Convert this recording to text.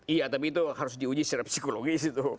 iya tapi itu harus diuji secara psikologis itu